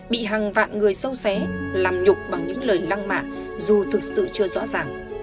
bị hàng vạn người sâu xé làm nhục bằng những lời lăng mạ dù thực sự chưa rõ ràng